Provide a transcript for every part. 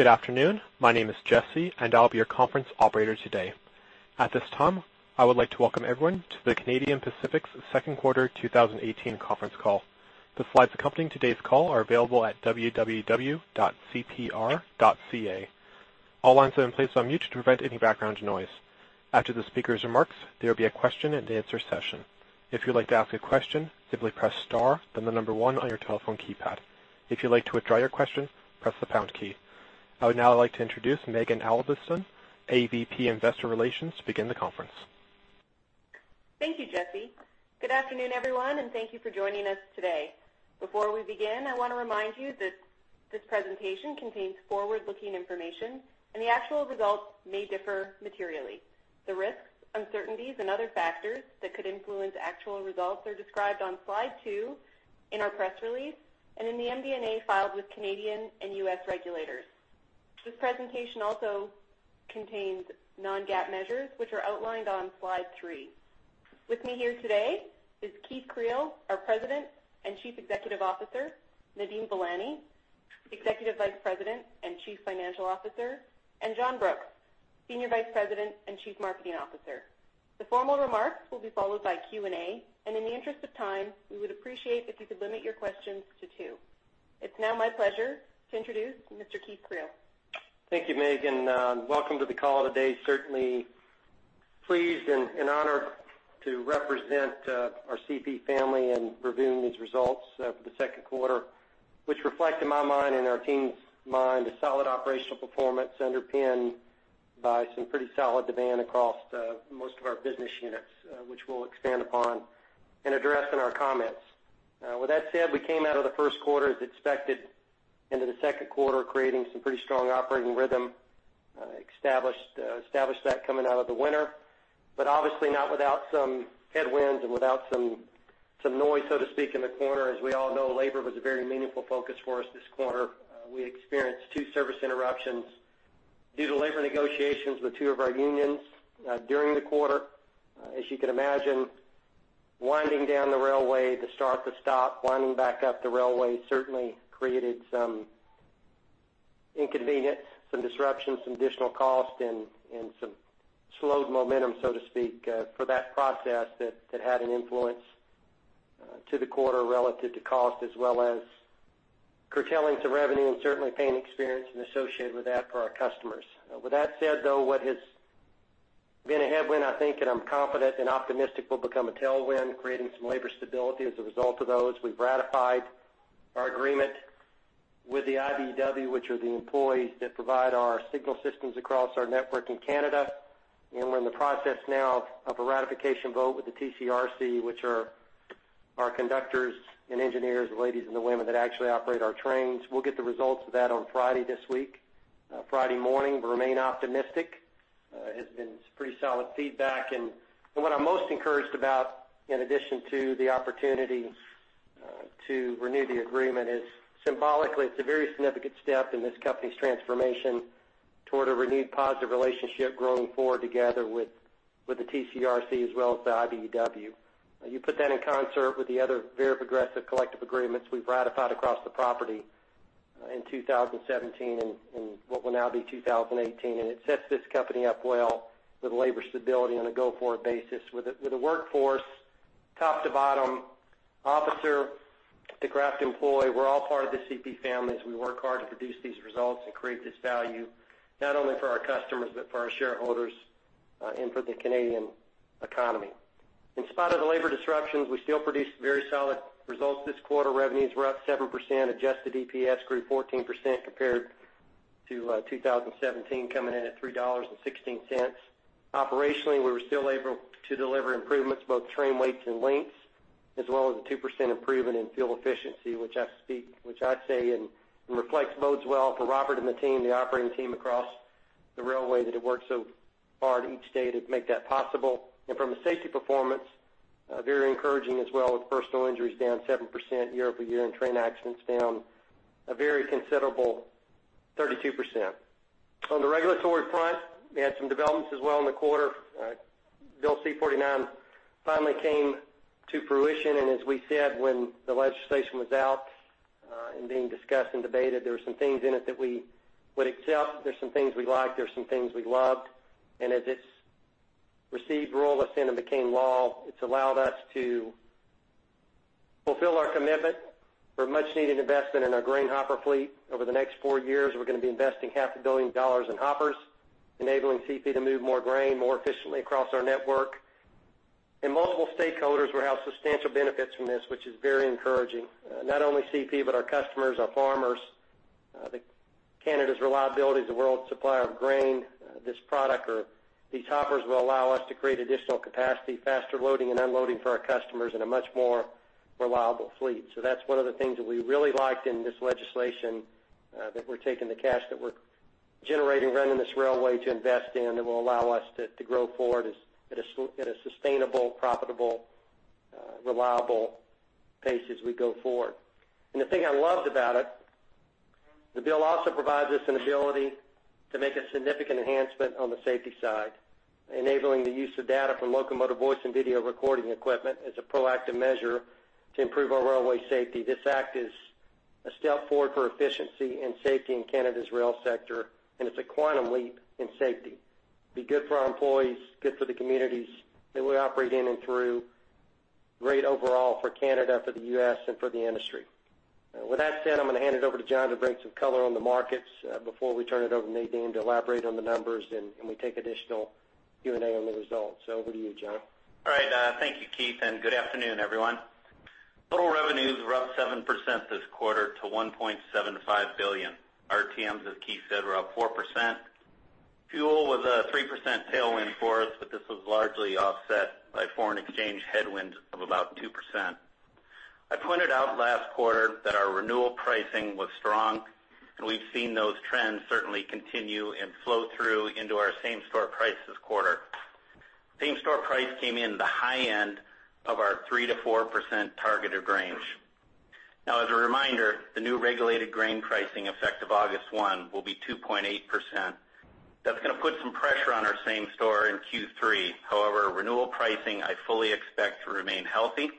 Good afternoon. My name is Jesse, and I'll be your conference operator today. At this time, I would like to welcome everyone to The Canadian Pacific's Second Quarter 2018 Conference Call. The slides accompanying today's call are available at www.cpr.ca. All lines have been placed on mute to prevent any background noise. After the speaker's remarks, there will be a question-and-answer session. If you'd like to ask a question, simply press star, then the number one on your telephone keypad. If you'd like to withdraw your question, press the pound key. I would now like to introduce Maeghan Albiston, AVP Investor Relations, to begin the conference. Thank you, Jesse. Good afternoon, everyone, and thank you for joining us today. Before we begin, I want to remind you that this presentation contains forward-looking information, and the actual results may differ materially. The risks, uncertainties, and other factors that could influence actual results are described on slide two in our press release and in the MD&A filed with Canadian and U.S. regulators. This presentation also contains non-GAAP measures, which are outlined on slide three. With me here today is Keith Creel, our President and Chief Executive Officer, Nadeem Velani, Executive Vice President and Chief Financial Officer, and John Brooks, Senior Vice President and Chief Marketing Officer. The formal remarks will be followed by Q&A, and in the interest of time, we would appreciate if you could limit your questions to two. It's now my pleasure to introduce Mr. Keith Creel. Thank you, Maeghan. Welcome to the call today. Certainly pleased and honored to represent our CP family and review these results for the second quarter, which reflect, in my mind and our team's mind, a solid operational performance underpinned by some pretty solid demand across most of our business units, which we'll expand upon and address in our comments. With that said, we came out of the first quarter as expected into the second quarter, creating some pretty strong operating rhythm. Established that coming out of the winter, but obviously not without some headwinds and without some noise, so to speak, in the corner. As we all know, labor was a very meaningful focus for us this quarter. We experienced two service interruptions due to labor negotiations with two of our unions during the quarter. As you can imagine, winding down the railway, the start, the stop, winding back up the railway certainly created some inconvenience, some disruptions, some additional cost, and some slowed momentum, so to speak, for that process that had an influence to the quarter relative to cost, as well as curtailing some revenue and certainly pain experience associated with that for our customers. With that said, though, what has been a headwind, I think, and I'm confident and optimistic, will become a tailwind, creating some labor stability as a result of those. We've ratified our agreement with the IBEW, which are the employees that provide our signal systems across our network in Canada, and we're in the process now of a ratification vote with the TCRC, which are our conductors and engineers, the ladies and the women that actually operate our trains. We'll get the results of that on Friday this week, Friday morning. We remain optimistic. It's been pretty solid feedback, and what I'm most encouraged about, in addition to the opportunity to renew the agreement, is symbolically it's a very significant step in this company's transformation toward a renewed positive relationship growing forward together with the TCRC as well as the IBEW. You put that in concert with the other very progressive collective agreements we've ratified across the property in 2017 and what will now be 2018, and it sets this company up well with labor stability on a go-forward basis, with a workforce top to bottom, officer to craft employee. We're all part of the CP families. We work hard to produce these results and create this value, not only for our customers but for our shareholders and for the Canadian economy. In spite of the labor disruptions, we still produced very solid results this quarter. Revenues were up 7%, Adjusted EPS grew 14% compared to 2017, coming in at 3.16 dollars. Operationally, we were still able to deliver improvements both train weights and lengths, as well as a 2% improvement in fuel efficiency, which I say reflects both well for Robert and the team, the operating team across the railway that it worked so hard each day to make that possible. From a safety performance, very encouraging as well, with personal injuries down 7% year-over-year and train accidents down a very considerable 32%. On the regulatory front, we had some developments as well in the quarter. Bill C-49 finally came to fruition, and as we said, when the legislation was out and being discussed and debated, there were some things in it that we would accept. There were some things we liked. There were some things we loved. And as it's received royal assent and became law, it's allowed us to fulfill our commitment for much-needed investment in our grain hopper fleet over the next four years. We're going to be investing 500 million dollars in hoppers, enabling CP to move more grain more efficiently across our network. And multiple stakeholders will have substantial benefits from this, which is very encouraging. Not only CP, but our customers, our farmers. Canada is the world's reliable supplier of grain. This product or these hoppers will allow us to create additional capacity, faster loading and unloading for our customers, and a much more reliable fleet. That's one of the things that we really liked in this legislation, that we're taking the cash that we're generating, running this railway to invest in, that will allow us to grow forward at a sustainable, profitable, reliable pace as we go forward. The thing I loved about it, the bill also provides us an ability to make a significant enhancement on the safety side, enabling the use of data from locomotive voice and video recording equipment as a proactive measure to improve our railway safety. This act is a step forward for efficiency and safety in Canada's rail sector, and it's a quantum leap in safety. It'd be good for our employees, good for the communities that we operate in and through, great overall for Canada, for the U.S., and for the industry. With that said, I'm going to hand it over to John to bring some color on the markets before we turn it over to Nadeem to elaborate on the numbers and we take additional Q&A on the results. So over to you, John. All right. Thank you, Keith, and good afternoon, everyone. Total revenues were up 7% this quarter to 1.75 billion. RTMs, as Keith said, were up 4%. Fuel was a 3% tailwind for us, but this was largely offset by foreign exchange headwinds of about 2%. I pointed out last quarter that our renewal pricing was strong, and we've seen those trends certainly continue and flow through into our same-store price this quarter. Same-store price came in the high end of our 3%-4% targeted range. Now, as a reminder, the new regulated grain pricing effect of August 1 will be 2.8%. That's going to put some pressure on our same-store in Q3. However, renewal pricing, I fully expect to remain healthy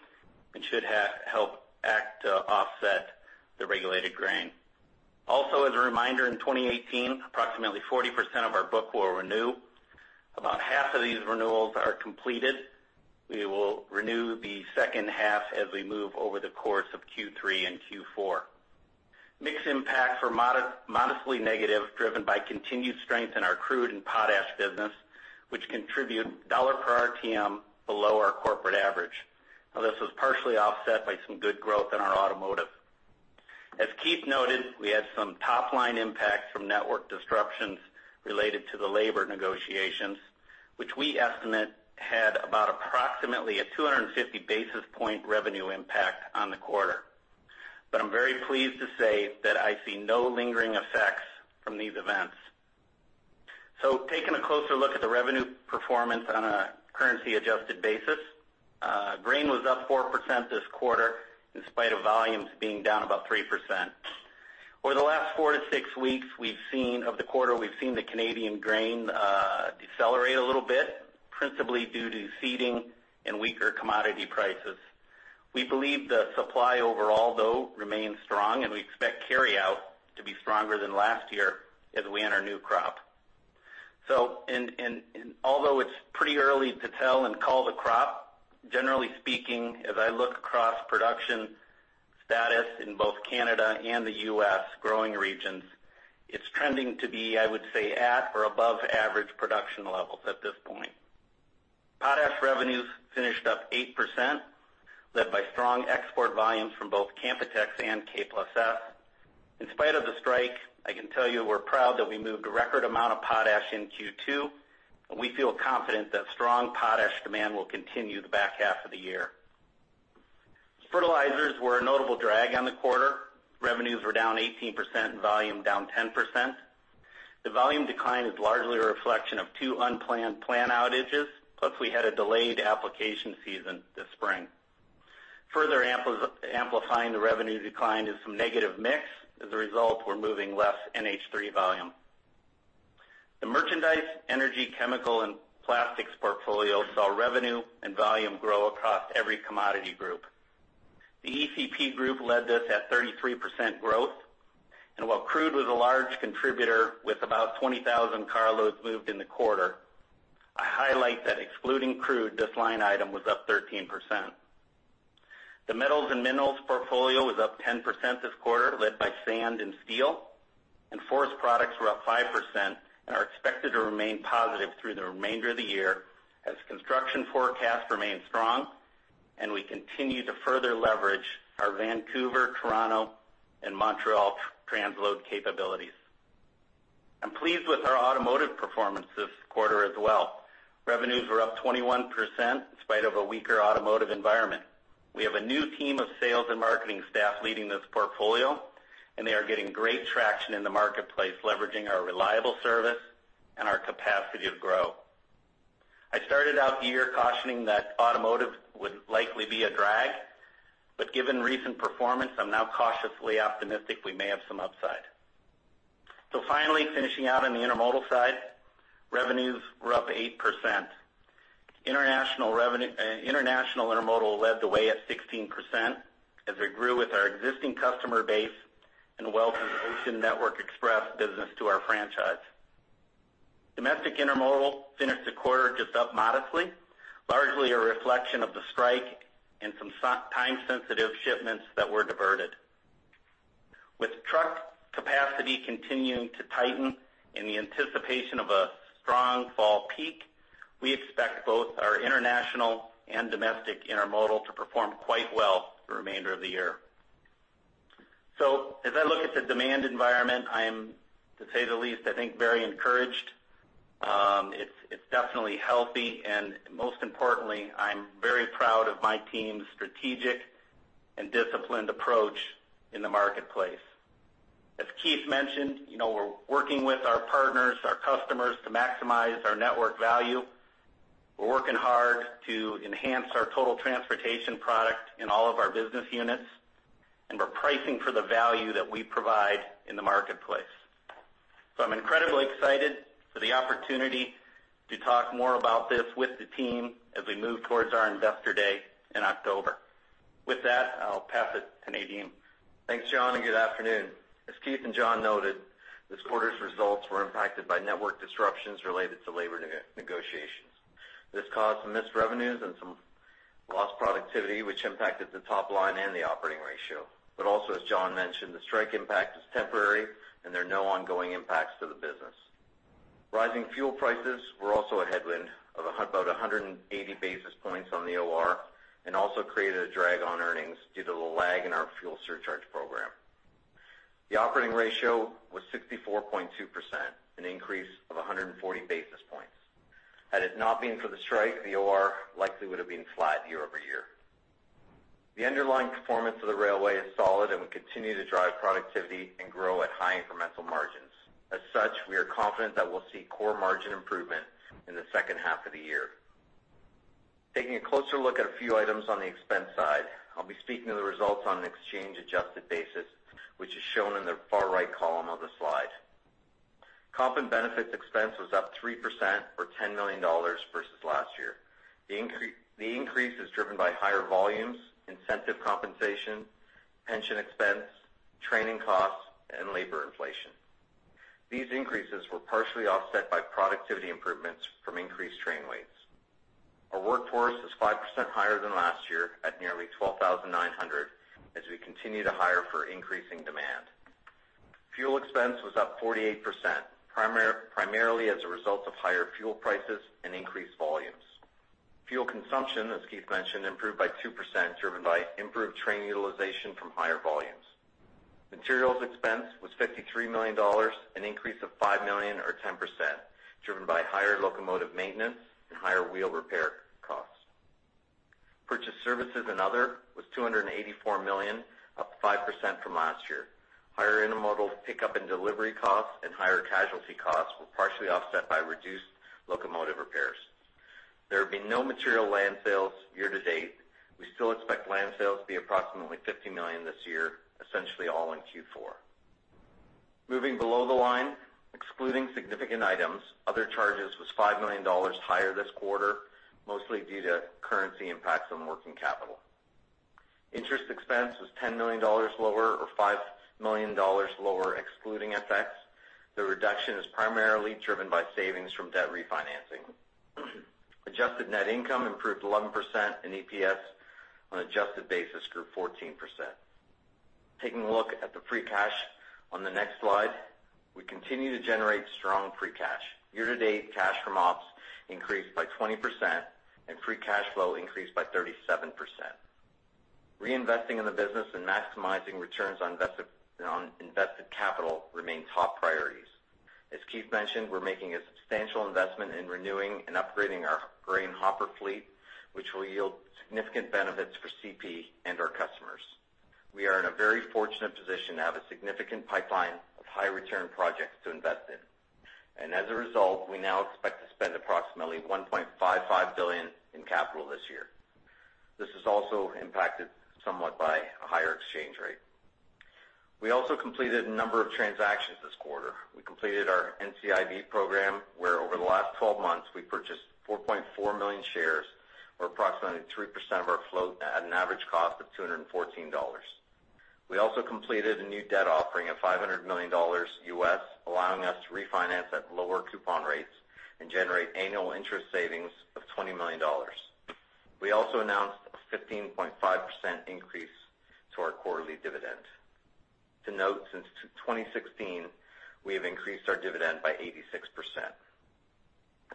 and should help act to offset the regulated grain. Also, as a reminder, in 2018, approximately 40% of our book will renew. About half of these renewals are completed. We will renew the second half as we move over the course of Q3 and Q4. Mixed impact for modestly negative, driven by continued strength in our crude and potash business, which contribute CAD per RTM below our corporate average. Now, this was partially offset by some good growth in our automotive. As Keith noted, we had some top-line impact from network disruptions related to the labor negotiations, which we estimate had about approximately a 250 basis point revenue impact on the quarter. But I'm very pleased to say that I see no lingering effects from these events. So taking a closer look at the revenue performance on a currency-adjusted basis, grain was up 4% this quarter in spite of volumes being down about 3%. Over the last 4-6 weeks of the quarter, we've seen the Canadian grain decelerate a little bit, principally due to seeding and weaker commodity prices. We believe the supply overall, though, remains strong, and we expect carryout to be stronger than last year as we enter new crop. So although it's pretty early to tell and call the crop, generally speaking, as I look across production status in both Canada and the U.S. growing regions, it's trending to be, I would say, at or above average production levels at this point. Potash revenues finished up 8%, led by strong export volumes from both Canpotex and K+S. In spite of the strike, I can tell you we're proud that we moved a record amount of potash in Q2, and we feel confident that strong potash demand will continue the back half of the year. Fertilizers were a notable drag on the quarter. Revenues were down 18% and volume down 10%. The volume decline is largely a reflection of two unplanned plant outages, plus we had a delayed application season this spring. Further amplifying the revenue decline is some negative mix. As a result, we're moving less NH3 volume. The merchandise, energy, chemical, and plastics portfolio saw revenue and volume grow across every commodity group. The ECP group led this at 33% growth, and while crude was a large contributor with about 20,000 carloads moved in the quarter, I highlight that excluding crude, this line item was up 13%. The metals and minerals portfolio was up 10% this quarter, led by sand and steel, and forest products were up 5% and are expected to remain positive through the remainder of the year as construction forecasts remain strong, and we continue to further leverage our Vancouver, Toronto, and Montreal transload capabilities. I'm pleased with our automotive performance this quarter as well. Revenues were up 21% in spite of a weaker automotive environment. We have a new team of sales and marketing staff leading this portfolio, and they are getting great traction in the marketplace, leveraging our reliable service and our capacity to grow. I started out the year cautioning that automotive would likely be a drag, but given recent performance, I'm now cautiously optimistic we may have some upside. So finally, finishing out on the intermodal side, revenues were up 8%. International intermodal led the way at 16% as it grew with our existing customer base and welcome's Ocean Network Express business to our franchise. Domestic intermodal finished the quarter just up modestly, largely a reflection of the strike and some time-sensitive shipments that were diverted. With truck capacity continuing to tighten in the anticipation of a strong fall peak, we expect both our international and domestic intermodal to perform quite well the remainder of the year. So as I look at the demand environment, I'm, to say the least, I think very encouraged. It's definitely healthy, and most importantly, I'm very proud of my team's strategic and disciplined approach in the marketplace. As Keith mentioned, we're working with our partners, our customers to maximize our network value. We're working hard to enhance our total transportation product in all of our business units, and we're pricing for the value that we provide in the marketplace. So I'm incredibly excited for the opportunity to talk more about this with the team as we move towards our investor day in October. With that, I'll pass it to Nadeem. Thanks, John, and good afternoon. As Keith and John noted, this quarter's results were impacted by network disruptions related to labor negotiations. This caused some missed revenues and some lost productivity, which impacted the top line and the operating ratio. But also, as John mentioned, the strike impact is temporary, and there are no ongoing impacts to the business. Rising fuel prices were also a headwind of about 180 basis points on the OR and also created a drag on earnings due to the lag in our fuel surcharge program. The operating ratio was 64.2%, an increase of 140 basis points. Had it not been for the strike, the OR likely would have been flat year-over-year. The underlying performance of the railway is solid, and we continue to drive productivity and grow at high incremental margins. As such, we are confident that we'll see core margin improvement in the second half of the year. Taking a closer look at a few items on the expense side, I'll be speaking of the results on an exchange-adjusted basis, which is shown in the far right column of the slide. Comp and benefits expense was up 3% or 10 million dollars versus last year. The increase is driven by higher volumes, incentive compensation, pension expense, training costs, and labor inflation. These increases were partially offset by productivity improvements from increased train weights. Our workforce is 5% higher than last year at nearly 12,900 as we continue to hire for increasing demand. Fuel expense was up 48%, primarily as a result of higher fuel prices and increased volumes. Fuel consumption, as Keith mentioned, improved by 2% driven by improved train utilization from higher volumes. Materials expense was 53 million dollars, an increase of 5 million or 10% driven by higher locomotive maintenance and higher wheel repair costs. Purchased services and other was 284 million, up 5% from last year. Higher intermodal pickup and delivery costs and higher casualty costs were partially offset by reduced locomotive repairs. There have been no material land sales year to date. We still expect land sales to be approximately 50 million this year, essentially all in Q4. Moving below the line, excluding significant items, other charges was 5 million dollars higher this quarter, mostly due to currency impacts on working capital. Interest expense was 10 million dollars lower or 5 million dollars lower, excluding FX. The reduction is primarily driven by savings from debt refinancing. Adjusted net income improved 11% and EPS on adjusted basis grew 14%. Taking a look at the free cash on the next slide, we continue to generate strong free cash. Year to date, cash from ops increased by 20% and free cash flow increased by 37%. Reinvesting in the business and maximizing returns on invested capital remain top priorities. As Keith mentioned, we're making a substantial investment in renewing and upgrading our grain hopper fleet, which will yield significant benefits for CP and our customers. We are in a very fortunate position to have a significant pipeline of high-return projects to invest in. As a result, we now expect to spend approximately 1.55 billion in capital this year. This is also impacted somewhat by a higher exchange rate. We also completed a number of transactions this quarter. We completed our NCIB program, where over the last 12 months, we purchased 4.4 million shares or approximately 3% of our float at an average cost of 214 dollars. We also completed a new debt offering of 500 million dollars, allowing us to refinance at lower coupon rates and generate annual interest savings of 20 million dollars. We also announced a 15.5% increase to our quarterly dividend. To note, since 2016, we have increased our dividend by 86%.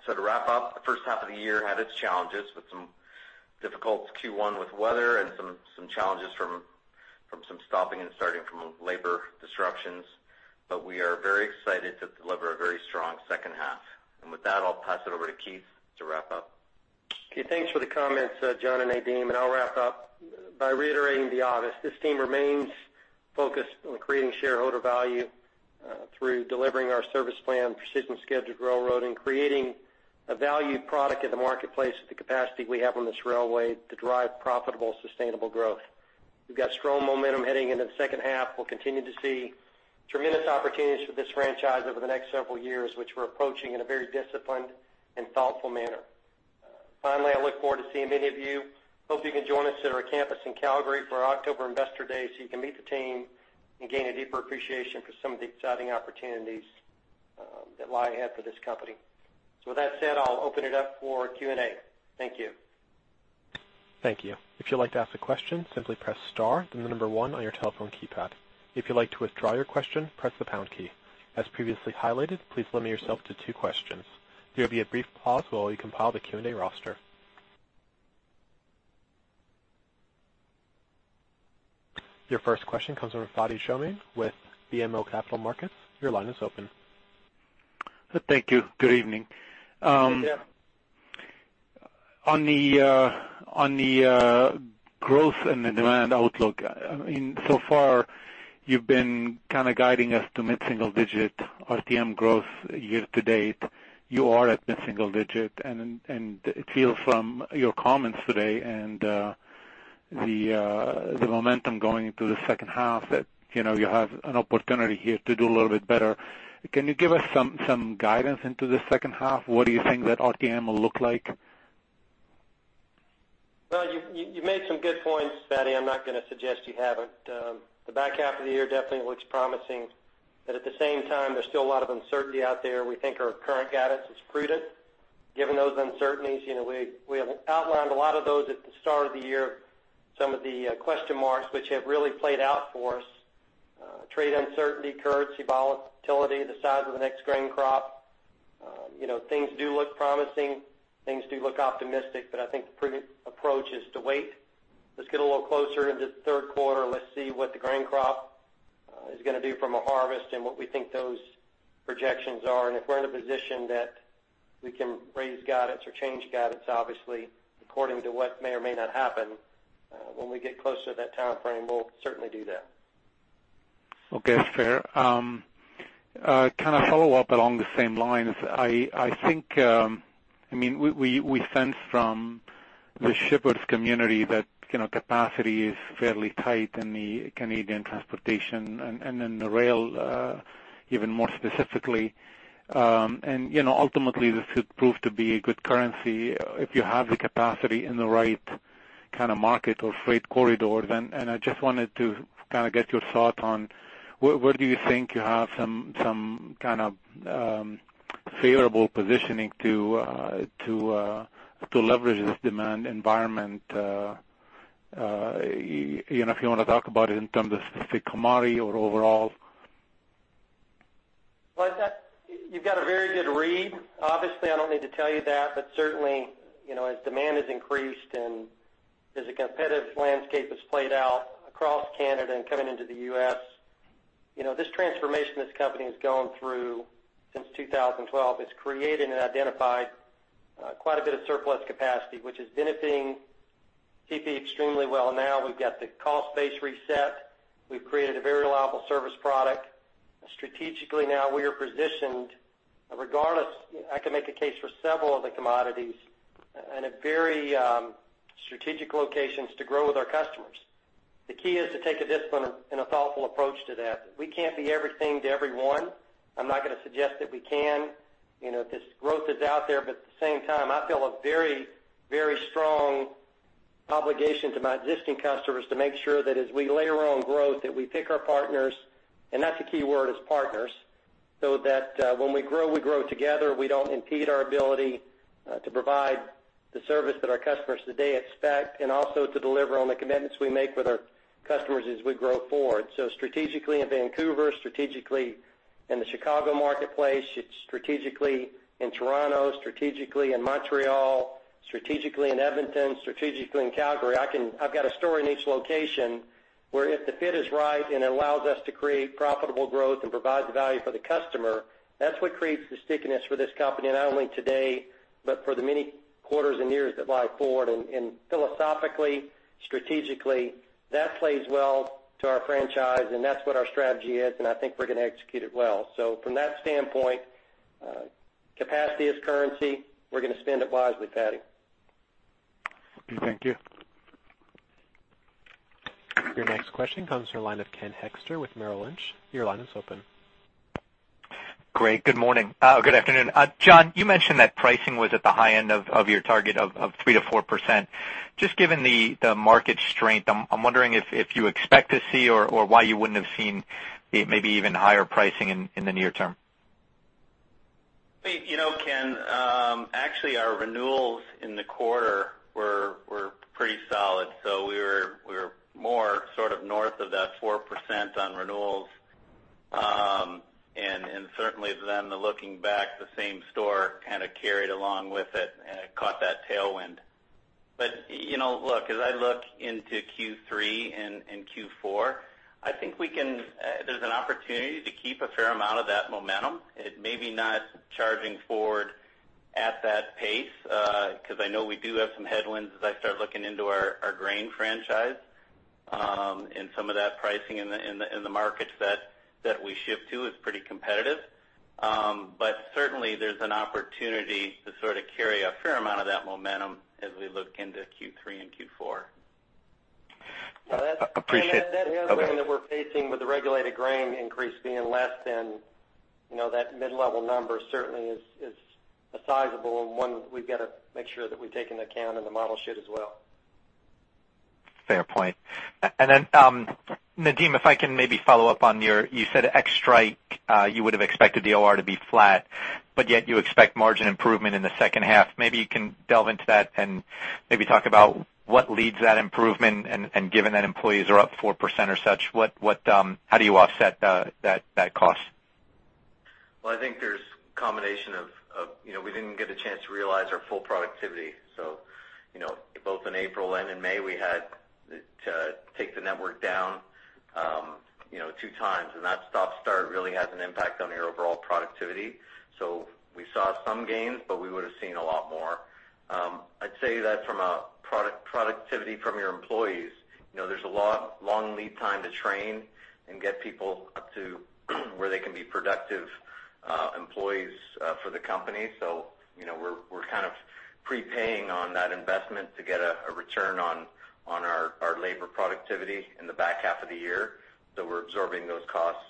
So to wrap up, the first half of the year had its challenges with some difficult Q1 with weather and some challenges from some stopping and starting from labor disruptions, but we are very excited to deliver a very strong second half. And with that, I'll pass it over to Keith to wrap up. Okay. Thanks for the comments, John and Nadeem. And I'll wrap up by reiterating the obvious. This team remains focused on creating shareholder value through delivering our service plan, precision scheduled railroading, and creating a valued product in the marketplace with the capacity we have on this railway to drive profitable, sustainable growth. We've got strong momentum heading into the second half. We'll continue to see tremendous opportunities for this franchise over the next several years, which we're approaching in a very disciplined and thoughtful manner. Finally, I look forward to seeing many of you. Hope you can join us at our campus in Calgary for October Investor Day so you can meet the team and gain a deeper appreciation for some of the exciting opportunities that lie ahead for this company. So with that said, I'll open it up for Q&A. Thank you. Thank you. If you'd like to ask a question, simply press star, then the number one on your telephone keypad. If you'd like to withdraw your question, press the pound key. As previously highlighted, please limit yourself to two questions. There'll be a brief pause while we compile the Q&A roster. Your first question comes from Fadi Chamoun with BMO Capital Markets. Your line is open. Thank you. Good evening. On the growth and the demand outlook, I mean, so far you've been kind of guiding us to mid-single digit RTM growth year to date. You are at mid-single digit, and it feels from your comments today and the momentum going into the second half that you have an opportunity here to do a little bit better. Can you give us some guidance into the second half? What do you think that RTM will look like? Well, you made some good points, Fadi. I'm not going to suggest you haven't. The back half of the year definitely looks promising, but at the same time, there's still a lot of uncertainty out there. We think our current guidance is prudent. Given those uncertainties, we have outlined a lot of those at the start of the year, some of the question marks, which have really played out for us: trade uncertainty, currency volatility, the size of the next grain crop. Things do look promising. Things do look optimistic, but I think the prudent approach is to wait. Let's get a little closer into the third quarter. Let's see what the grain crop is going to do from a harvest and what we think those projections are. If we're in a position that we can raise guidance or change guidance, obviously, according to what may or may not happen, when we get closer to that time frame, we'll certainly do that. Okay. Fair. Kind of follow up along the same lines. I mean, we sense from the shippers community that capacity is fairly tight in the Canadian transportation and in the rail even more specifically. And ultimately, this could prove to be a good currency if you have the capacity in the right kind of market or freight corridor. And I just wanted to kind of get your thought on where do you think you have some kind of favorable positioning to leverage this demand environment if you want to talk about it in terms of specific commodity or overall? Well, you've got a very good read. Obviously, I don't need to tell you that, but certainly, as demand has increased and as a competitive landscape has played out across Canada and coming into the U.S., this transformation this company is going through since 2012 has created and identified quite a bit of surplus capacity, which is benefiting CP extremely well now. We've got the cost base reset. We've created a very reliable service product. Strategically, now we are positioned, regardless, I can make a case for several of the commodities and a very strategic locations to grow with our customers. The key is to take a disciplined and a thoughtful approach to that. We can't be everything to everyone. I'm not going to suggest that we can. This growth is out there, but at the same time, I feel a very, very strong obligation to my existing customers to make sure that as we layer on growth, that we pick our partners - and that's a key word, is partners - so that when we grow, we grow together. We don't impede our ability to provide the service that our customers today expect and also to deliver on the commitments we make with our customers as we grow forward. So strategically in Vancouver, strategically in the Chicago marketplace, strategically in Toronto, strategically in Montreal, strategically in Edmonton, strategically in Calgary. I've got a story in each location where if the fit is right and it allows us to create profitable growth and provides value for the customer, that's what creates the stickiness for this company, not only today but for the many quarters and years that lie forward. And philosophically, strategically, that plays well to our franchise, and that's what our strategy is, and I think we're going to execute it well. So from that standpoint, capacity is currency. We're going to spend it wisely, Fadi. Okay. Thank you. Your next question comes from the line of Ken Hoexter with Merrill Lynch. Your line is open. Great. Good morning. Good afternoon. John, you mentioned that pricing was at the high end of your target of 3%-4%. Just given the market strength, I'm wondering if you expect to see or why you wouldn't have seen maybe even higher pricing in the near term? Ken, actually, our renewals in the quarter were pretty solid. So we were more sort of north of that 4% on renewals. And certainly, then looking back, the same store kind of carried along with it and caught that tailwind. But look, as I look into Q3 and Q4, I think there's an opportunity to keep a fair amount of that momentum. It may be not charging forward at that pace because I know we do have some headwinds as I start looking into our grain franchise. And some of that pricing in the markets that we ship to is pretty competitive. But certainly, there's an opportunity to sort of carry a fair amount of that momentum as we look into Q3 and Q4. Appreciate that. That has been what we're facing with the regulated grain increase being less than that mid-level number, certainly is a sizable one that we've got to make sure that we take into account in the model sheet as well. Fair point. And then, Nadeem, if I can maybe follow up on your you said X-Strike. You would have expected the ORR to be flat, but yet you expect margin improvement in the second half. Maybe you can delve into that and maybe talk about what leads that improvement. And given that employees are up 4% or such, how do you offset that cost? Well, I think there's a combination of we didn't get a chance to realize our full productivity. So both in April and in May, we had to take the network down two times, and that stop-start really has an impact on your overall productivity. So we saw some gains, but we would have seen a lot more. I'd say that from a productivity from your employees, there's a long lead time to train and get people up to where they can be productive employees for the company. So we're kind of prepaying on that investment to get a return on our labor productivity in the back half of the year. So we're absorbing those costs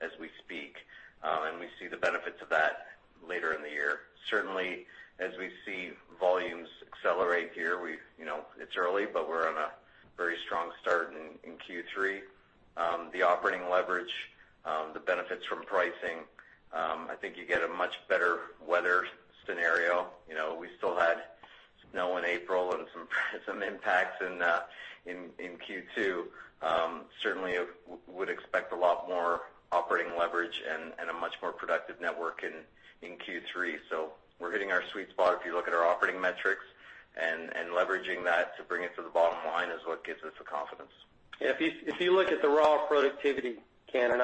as we speak, and we see the benefits of that later in the year. Certainly, as we see volumes accelerate here, it's early, but we're on a very strong start in Q3. The operating leverage, the benefits from pricing, I think you get a much better weather scenario. We still had snow in April and some impacts in Q2. Certainly, we would expect a lot more operating leverage and a much more productive network in Q3. So we're hitting our sweet spot if you look at our operating metrics, and leveraging that to bring it to the bottom line is what gives us the confidence. Yeah. If you look at the raw productivity, Ken, and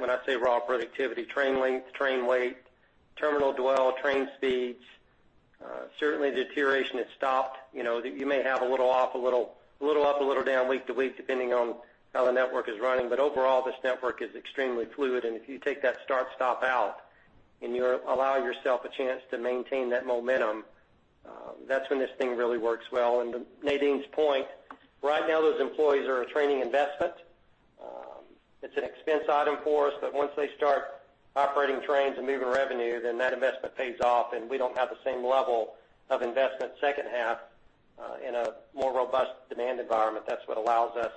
when I say raw productivity, train length, train weight, terminal dwell, train speeds, certainly, deterioration has stopped. You may have a little off, a little up, a little down week to week depending on how the network is running. But overall, this network is extremely fluid. And if you take that start-stop out and you allow yourself a chance to maintain that momentum, that's when this thing really works well. And to Nadeem's point, right now, those employees are a training investment. It's an expense item for us, but once they start operating trains and moving revenue, then that investment pays off, and we don't have the same level of investment second half in a more robust demand environment. That's what allows us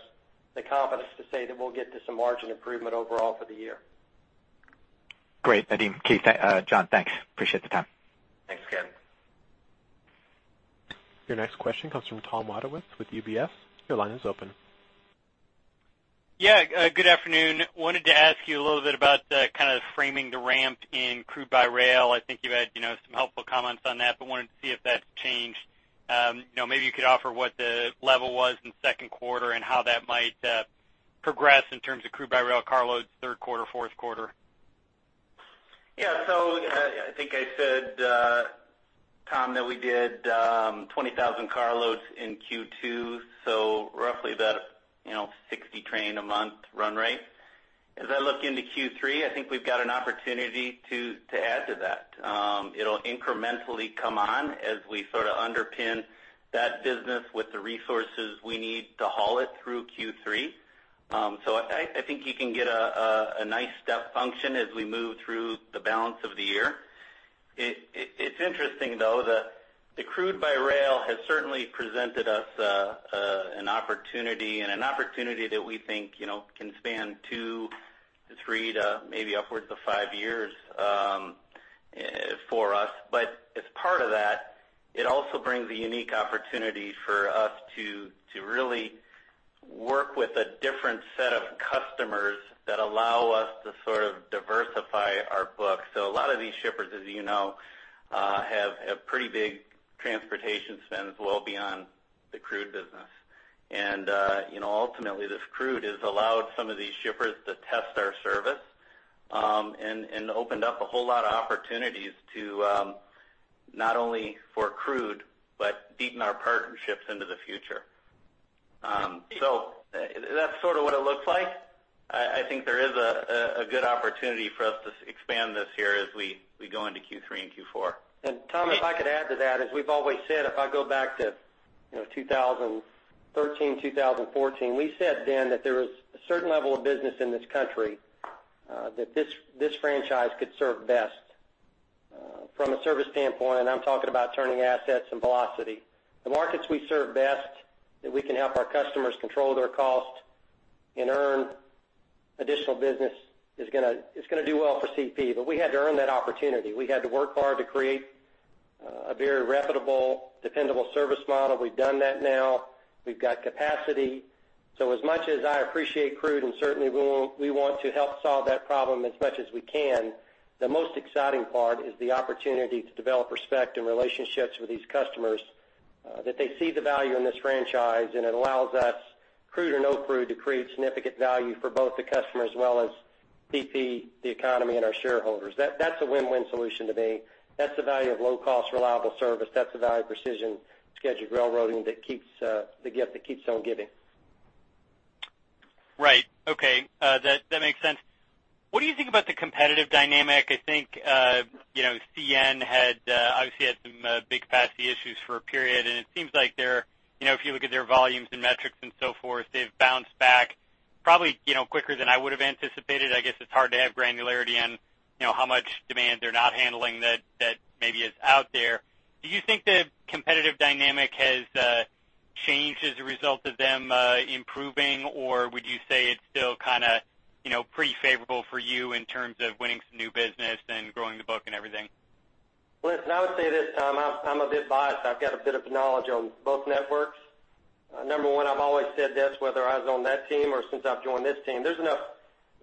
the confidence to say that we'll get to some margin improvement overall for the year. Great. Nadeem, Keith, John, thanks. Appreciate the time. Thanks, Ken. Your next question comes from Tom Wadewitz with UBS. Your line is open. Yeah. Good afternoon. Wanted to ask you a little bit about kind of framing the ramp in crude-by-rail. I think you've had some helpful comments on that, but wanted to see if that's changed. Maybe you could offer what the level was in second quarter and how that might progress in terms of crude-by-rail carloads third quarter, fourth quarter. Yeah. So I think I said, Tom, that we did 20,000 carloads in Q2, so roughly about 60 trains a month run rate. As I look into Q3, I think we've got an opportunity to add to that. It'll incrementally come on as we sort of underpin that business with the resources we need to haul it through Q3. So I think you can get a nice step function as we move through the balance of the year. It's interesting, though, that the crude-by-rail has certainly presented us an opportunity and an opportunity that we think can span 2, 3 to maybe upwards of 5 years for us. But as part of that, it also brings a unique opportunity for us to really work with a different set of customers that allow us to sort of diversify our book. So a lot of these shippers, as you know, have pretty big transportation spends well beyond the crude business. And ultimately, this crude has allowed some of these shippers to test our service and opened up a whole lot of opportunities not only for crude but deepen our partnerships into the future. So that's sort of what it looks like. I think there is a good opportunity for us to expand this year as we go into Q3 and Q4. Tom, if I could add to that, as we've always said, if I go back to 2013, 2014, we said then that there was a certain level of business in this country that this franchise could serve best from a service standpoint. I'm talking about turning assets and velocity. The markets we serve best, that we can help our customers control their cost and earn additional business, is going to do well for CP. But we had to earn that opportunity. We had to work hard to create a very reputable, dependable service model. We've done that now. We've got capacity. So as much as I appreciate crewed, and certainly, we want to help solve that problem as much as we can, the most exciting part is the opportunity to develop respect and relationships with these customers, that they see the value in this franchise, and it allows us, crewed or no crewed, to create significant value for both the customer as well as CP, the economy, and our shareholders. That's a win-win solution to me. That's the value of low-cost, reliable service. That's the value of Precision Scheduled Railroading that keeps the gift that keeps on giving. Right. Okay. That makes sense. What do you think about the competitive dynamic? I think CN obviously had some big capacity issues for a period, and it seems like if you look at their volumes and metrics and so forth, they've bounced back probably quicker than I would have anticipated. I guess it's hard to have granularity on how much demand they're not handling that maybe is out there. Do you think the competitive dynamic has changed as a result of them improving, or would you say it's still kind of pretty favorable for you in terms of winning some new business and growing the book and everything? Listen, I would say this, Tom. I'm a bit biased. I've got a bit of knowledge on both networks. Number one, I've always said this, whether I was on that team or since I've joined this team, there's enough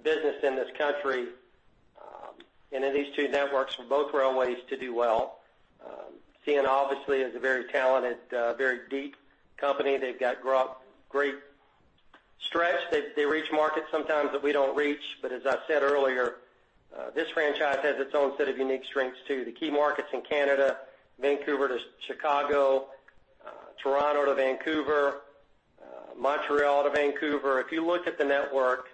business in this country and in these two networks for both railways to do well. CN, obviously, is a very talented, very deep company. They've got great stretch. They reach markets sometimes that we don't reach. But as I said earlier, this franchise has its own set of unique strengths too. The key markets in Canada, Vancouver to Chicago, Toronto to Vancouver, Montreal to Vancouver, if you look at the network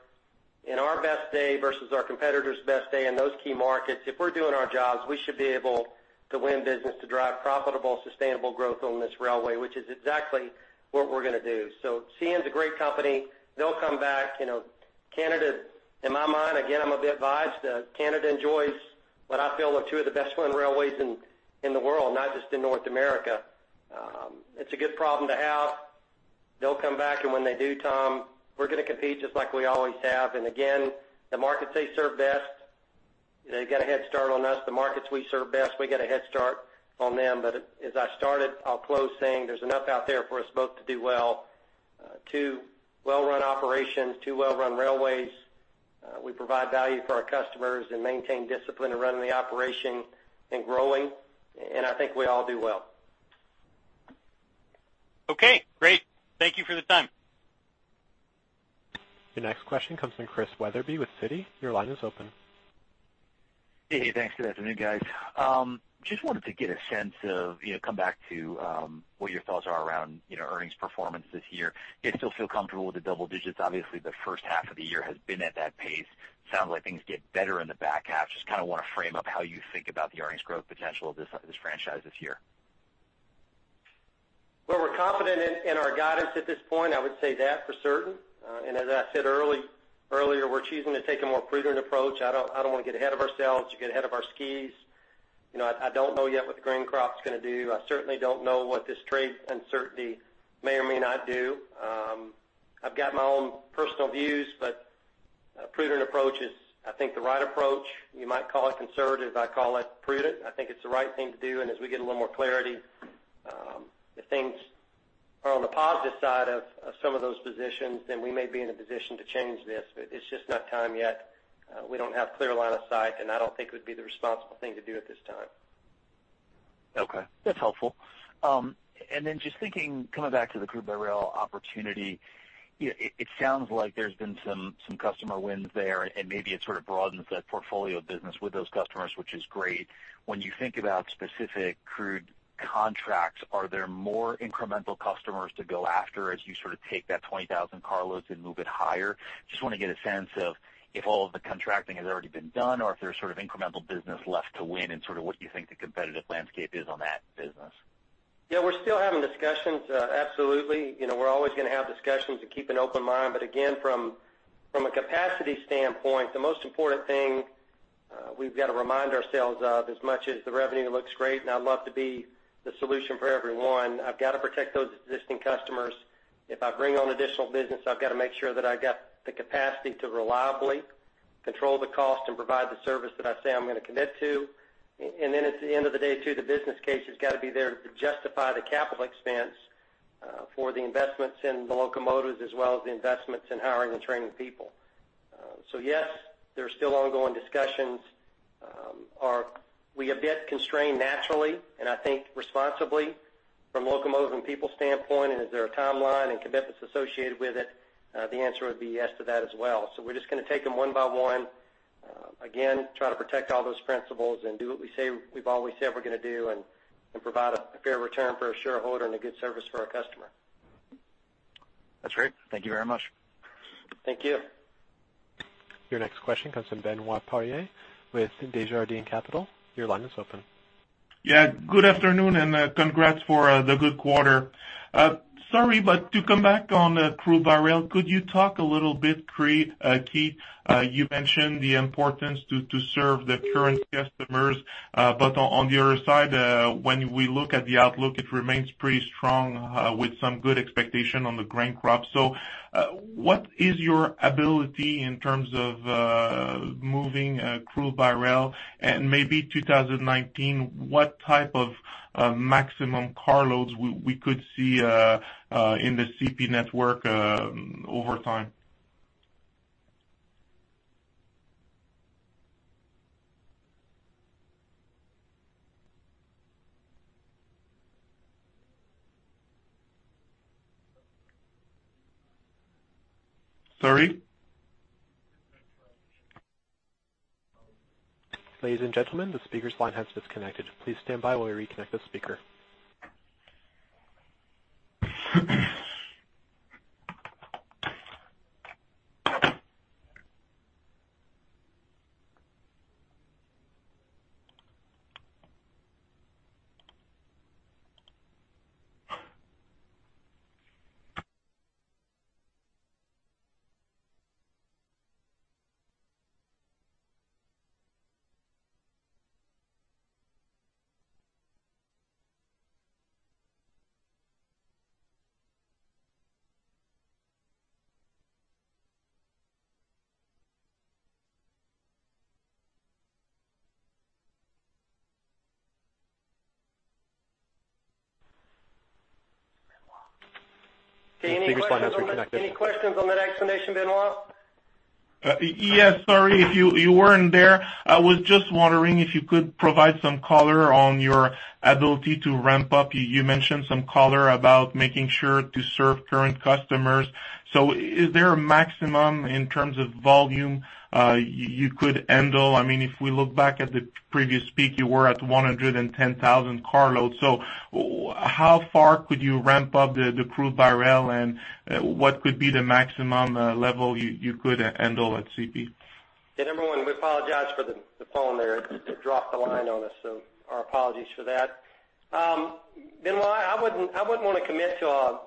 in our best day versus our competitor's best day in those key markets, if we're doing our jobs, we should be able to win business, to drive profitable, sustainable growth on this railway, which is exactly what we're going to do. So CN's a great company. They'll come back. Canada, in my mind again, I'm a bit biased. Canada enjoys what I feel are two of the best-winning railways in the world, not just in North America. It's a good problem to have. They'll come back, and when they do, Tom, we're going to compete just like we always have. And again, the markets they serve best, they've got a head start on us. The markets we serve best, we got a head start on them. But as I started, I'll close saying there's enough out there for us both to do well. Two well-run operations, two well-run railways, we provide value for our customers and maintain discipline in running the operation and growing. And I think we all do well. Okay. Great. Thank you for the time. Your next question comes from Chris Wetherbee with Citi. Your line is open. Hey, hey. Thanks for that. The new guys. Just wanted to get a sense of, come back to what your thoughts are around earnings performance this year. Do you still feel comfortable with the double digits? Obviously, the first half of the year has been at that pace. Sounds like things get better in the back half. Just kind of want to frame up how you think about the earnings growth potential of this franchise this year. Well, we're confident in our guidance at this point. I would say that for certain. And as I said earlier, we're choosing to take a more prudent approach. I don't want to get ahead of ourselves or get ahead of our skis. I don't know yet what the grain crop's going to do. I certainly don't know what this trade uncertainty may or may not do. I've got my own personal views, but a prudent approach is, I think, the right approach. You might call it conservative. I call it prudent. I think it's the right thing to do. And as we get a little more clarity, if things are on the positive side of some of those positions, then we may be in a position to change this. But it's just not time yet. We don't have a clear line of sight, and I don't think it would be the responsible thing to do at this time. Okay. That's helpful. Then just thinking coming back to the crude-by-rail opportunity, it sounds like there's been some customer wins there, and maybe it sort of broadens that portfolio of business with those customers, which is great. When you think about specific crude contracts, are there more incremental customers to go after as you sort of take that 20,000 carloads and move it higher? Just want to get a sense of if all of the contracting has already been done or if there's sort of incremental business left to win and sort of what you think the competitive landscape is on that business. Yeah. We're still having discussions. Absolutely. We're always going to have discussions and keep an open mind. But again, from a capacity standpoint, the most important thing we've got to remind ourselves of as much as the revenue looks great and I'd love to be the solution for everyone, I've got to protect those existing customers. If I bring on additional business, I've got to make sure that I've got the capacity to reliably control the cost and provide the service that I say I'm going to commit to. And then at the end of the day, too, the business case has got to be there to justify the capital expense for the investments in the locomotives as well as the investments in hiring and training people. So yes, there are still ongoing discussions. Are we a bit constrained naturally and I think responsibly from locomotive and people standpoint, and is there a timeline and commitments associated with it? The answer would be yes to that as well. So we're just going to take them one by one, again, try to protect all those principles and do what we've always said we're going to do and provide a fair return for a shareholder and a good service for our customer. That's great. Thank you very much. Thank you. Your next question comes from Benoit Poirier with Desjardins Capital. Your line is open. Yeah. Good afternoon and congrats for the good quarter. Sorry, but to come back on crude-by-rail, could you talk a little bit, Keith? You mentioned the importance to serve the current customers, but on the other side, when we look at the outlook, it remains pretty strong with some good expectation on the grain crop. So what is your ability in terms of moving crude-by-rail? And maybe 2019, what type of maximum carloads we could see in the CP network over time? Sorry? Ladies and gentlemen, the speaker's line has disconnected. Please stand by while we reconnect the speaker. Any questions on that explanation, Benoit? Yes. Sorry if you weren't there. I was just wondering if you could provide some color on your ability to ramp up. You mentioned some color about making sure to serve current customers. So is there a maximum in terms of volume you could handle? I mean, if we look back at the previous peak, you were at 110,000 carloads. So how far could you ramp up the crude-by-rail, and what could be the maximum level you could handle at CP? Yeah. Number one, we apologize for the phone there. It dropped the line on us, so our apologies for that. Benoit Poirier, I wouldn't want to commit to a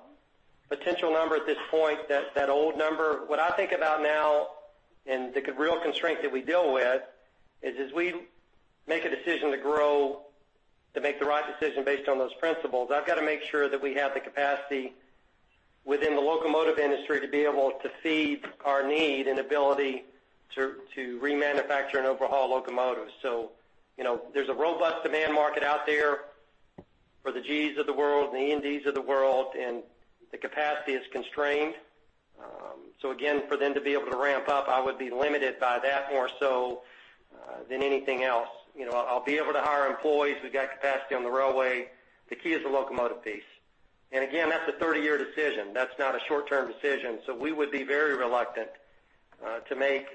potential number at this point, that old number. What I think about now and the real constraint that we deal with is as we make a decision to grow, to make the right decision based on those principles, I've got to make sure that we have the capacity within the locomotive industry to be able to feed our need and ability to remanufacture and overhaul locomotives. So there's a robust demand market out there for the Gs of the world and the NDs of the world, and the capacity is constrained. So again, for them to be able to ramp up, I would be limited by that more so than anything else. I'll be able to hire employees. We've got capacity on the railway. The key is the locomotive piece. Again, that's a 30-year decision. That's not a short-term decision. We would be very reluctant to make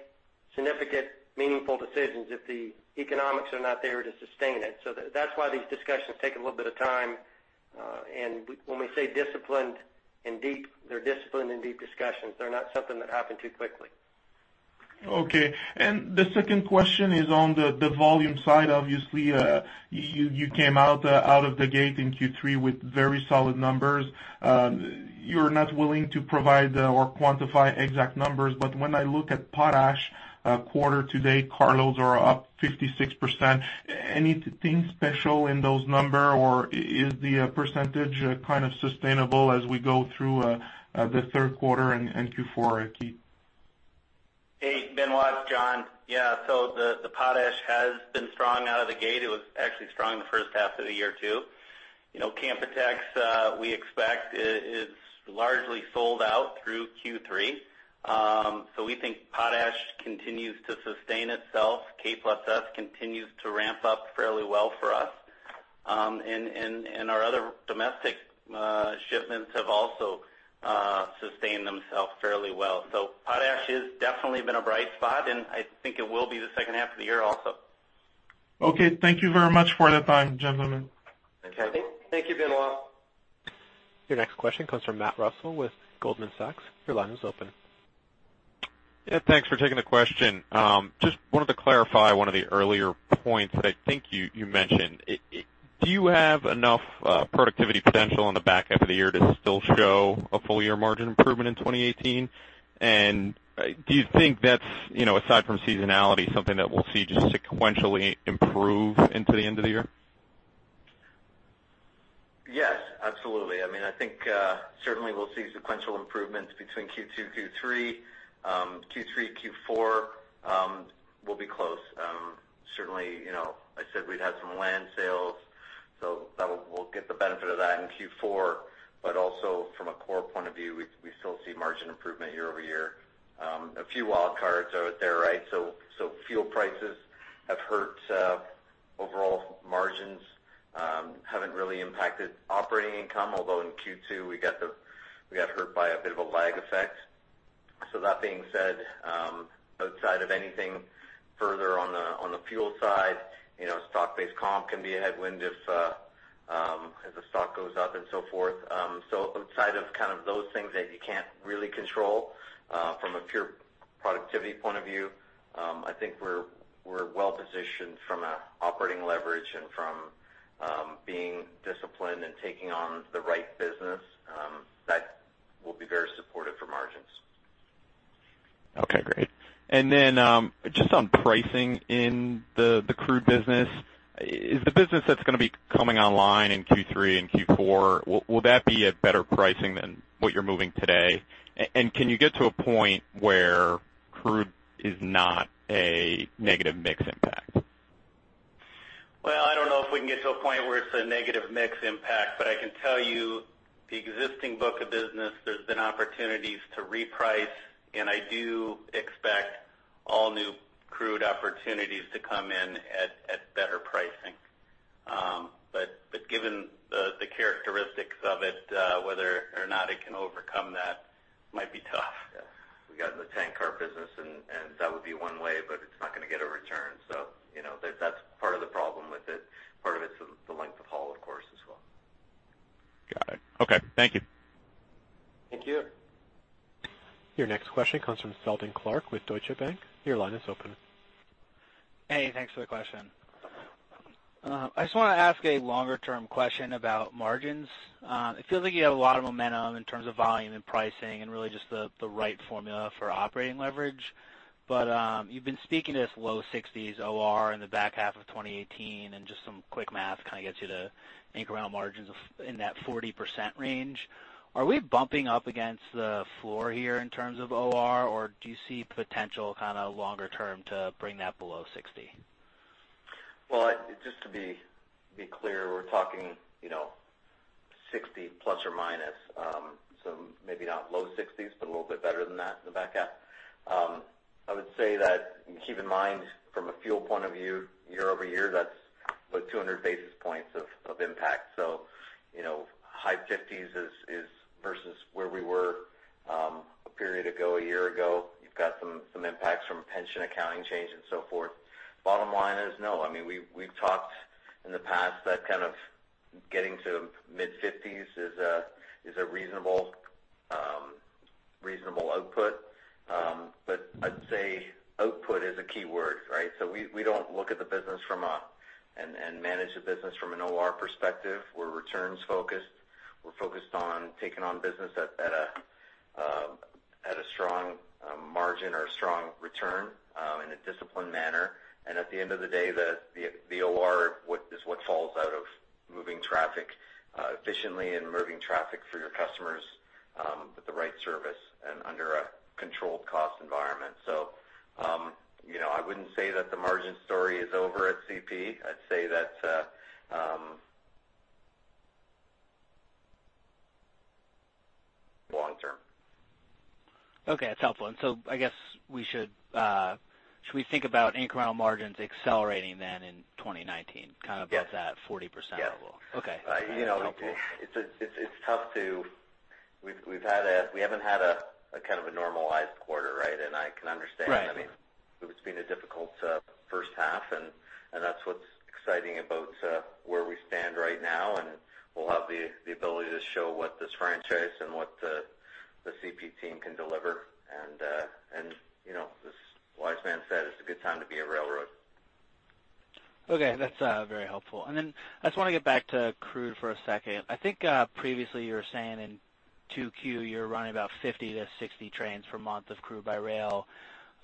significant, meaningful decisions if the economics are not there to sustain it. That's why these discussions take a little bit of time. When we say disciplined and deep, they're disciplined and deep discussions. They're not something that happened too quickly. Okay. And the second question is on the volume side. Obviously, you came out of the gate in Q3 with very solid numbers. You're not willing to provide or quantify exact numbers, but when I look at potash quarter to date, carloads are up 56%. Anything special in those numbers, or is the percentage kind of sustainable as we go through the third quarter and Q4, Keith? Hey Benoit, it's John. Yeah. So the potash has been strong out of the gate. It was actually strong the first half of the year too. Canpotex, we expect, is largely sold out through Q3. So we think potash continues to sustain itself. K+S continues to ramp up fairly well for us. And our other domestic shipments have also sustained themselves fairly well. So potash has definitely been a bright spot, and I think it will be the second half of the year also. Okay. Thank you very much for that time, gentlemen. Okay. Thank you, Benoit. Your next question comes from Matthew Reustle with Goldman Sachs. Your line is open. Yeah. Thanks for taking the question. Just wanted to clarify one of the earlier points that I think you mentioned. Do you have enough productivity potential in the back half of the year to still show a full-year margin improvement in 2018? And do you think that's, aside from seasonality, something that we'll see just sequentially improve into the end of the year? Yes. Absolutely. I mean, I think certainly we'll see sequential improvements between Q2, Q3. Q3, Q4 will be close. Certainly, I said we'd have some land sales, so we'll get the benefit of that in Q4. But also from a core point of view, we still see margin improvement year-over-year. A few wildcards are there, right? So fuel prices have hurt overall margins, haven't really impacted operating income, although in Q2, we got hurt by a bit of a lag effect. So that being said, outside of anything further on the fuel side, stock-based comp can be a headwind as the stock goes up and so forth. So outside of kind of those things that you can't really control from a pure productivity point of view, I think we're well-positioned from an operating leverage and from being disciplined and taking on the right business. That will be very supportive for margins. Okay. Great. And then just on pricing in the crude business, is the business that's going to be coming online in Q3 and Q4 at better pricing than what you're moving today? And can you get to a point where crude is not a negative mix impact? Well, I don't know if we can get to a point where it's a negative mix impact, but I can tell you the existing book of business, there's been opportunities to reprice, and I do expect all new crewed opportunities to come in at better pricing. But given the characteristics of it, whether or not it can overcome that might be tough. Yeah. We got in the tank car business, and that would be one way, but it's not going to get a return. So that's part of the problem with it. Part of it's the length of haul, of course, as well. Got it. Okay. Thank you. Thank you. Your next question comes from Seldon Clarke with Deutsche Bank. Your line is open. Hey. Thanks for the question. I just want to ask a longer-term question about margins. It feels like you have a lot of momentum in terms of volume and pricing and really just the right formula for operating leverage. But you've been speaking to this low 60s OR in the back half of 2018, and just some quick math kind of gets you to anchor around margins in that 40% range. Are we bumping up against the floor here in terms of OR, or do you see potential kind of longer-term to bring that below 60? Well, just to be clear, we're talking 60 ±, so maybe not low 60s but a little bit better than that in the back half. I would say that keep in mind, from a fuel point of view, year over year, that's about 200 basis points of impact. So high 50s versus where we were a period ago, a year ago, you've got some impacts from pension accounting change and so forth. Bottom line is no. I mean, we've talked in the past that kind of getting to mid-50s is a reasonable output. But I'd say output is a key word, right? So we don't look at the business from an OR perspective. We're returns-focused. We're focused on taking on business at a strong margin or a strong return in a disciplined manner. At the end of the day, the OR is what falls out of moving traffic efficiently and moving traffic for your customers with the right service and under a controlled cost environment. I wouldn't say that the margin story is over at CP. I'd say that's long-term. Okay. That's helpful. And so I guess should we think about incremental margins accelerating then in 2019, kind of at that 40% level? Yeah. Yeah. Okay. It's tough to we haven't had a kind of a normalized quarter, right? I can understand. I mean, it's been a difficult first half, and that's what's exciting about where we stand right now. We'll have the ability to show what this franchise and what the CP team can deliver. As wise men said, it's a good time to be a railroad. Okay. That's very helpful. And then I just want to get back to crude for a second. I think previously you were saying in 2Q you're running about 50-60 trains per month of crude-by-rail,